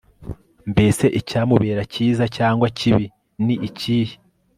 mbese icyamubera cyiza cyangwa kibi, ni ikihe